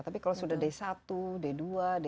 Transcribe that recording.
tapi kalau sudah d satu d dua d